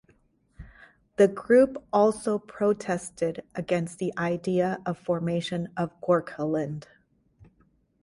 The group also protested against the idea of formation of Gorkhaland.